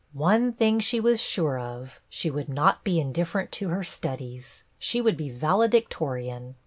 One thing she was sure of, she would not be indifferent to her studies. She would be valedictorian.